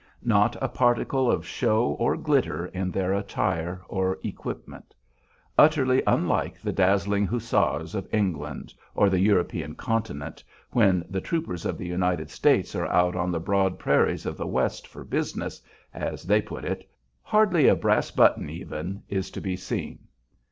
Not a particle of show or glitter in their attire or equipment. Utterly unlike the dazzling hussars of England or the European continent, when the troopers of the United States are out on the broad prairies of the West "for business," as they put it, hardly a brass button, even, is to be seen.